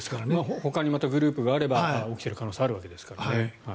ほかにまたグループがあれば起きている可能性があるわけですからね。